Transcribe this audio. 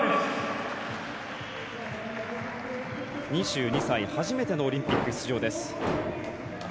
２２歳初めてのオリンピック出場です。